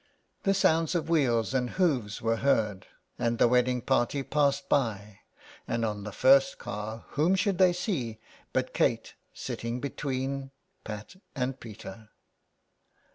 The sounds of wheels and hoofs were heard, and the wedding party passed by, and on the first car whom should they see but Kate sitting between Pat and Peter.